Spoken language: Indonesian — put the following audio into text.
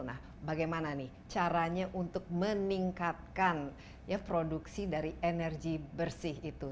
nah bagaimana nih caranya untuk meningkatkan produksi dari energi bersih itu